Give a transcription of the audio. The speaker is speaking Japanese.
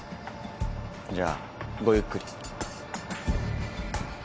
じゃあごゆっくり。